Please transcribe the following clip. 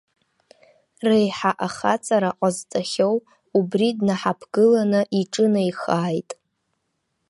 Реиҳа ахаҵара ҟазҵахьоу, убри днаҳаԥгыланы иҿынеихааит.